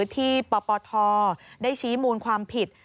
ที่ปปทได้ชี้มูลความผิด